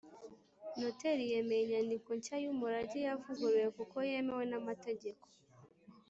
noteri yemeye inyandiko nshya y’umurage yavuguruwe kuko yemewe n’amategeko,